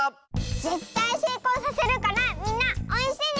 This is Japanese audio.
ぜったいせいこうさせるからみんなおうえんしてね！